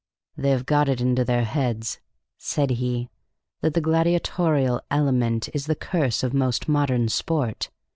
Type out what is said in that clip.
"They have got it into their heads," said he, "that the gladiatorial element is the curse of most modern sport.